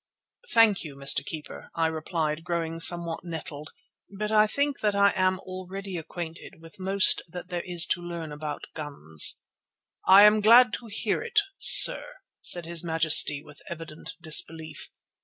"Thank you, Mr. Keeper," I replied, growing somewhat nettled, "but I think that I am already acquainted with most that there is to learn about guns." "I am glad to hear it, sir," said his majesty with evident disbelief.